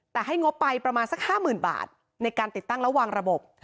แต่ให้งบไปอีกประมาณสัก๕หมื่นบาทการติดตั้งระหว่างระบบ